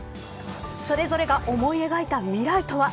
それぞれが思い描いた未来とは。